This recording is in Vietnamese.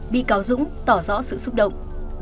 bị cáo dũng tỏ rõ sự xúc động